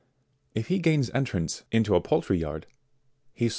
If he gains entrance into a poultry yard, he slaughters 58.